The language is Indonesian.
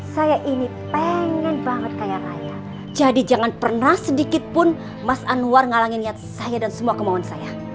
saya ini pengen banget kaya raya jadi jangan pernah sedikit pun mas anwar ngalangin niat saya dan semua kemauan saya